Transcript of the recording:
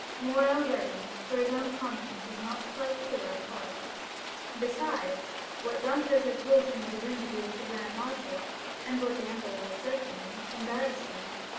Morrel reddened, for his own conscience was not quite clear on politics; besides, what Dantès had told him of his interview with the grand marshal, and what the emperor had said to him, embarrassed him.